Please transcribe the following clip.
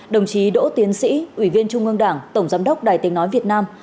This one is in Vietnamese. đồng chí đỗ tiến sĩ ủy viên trung ương đảng tổng giám đốc đài tiếng nói việt nam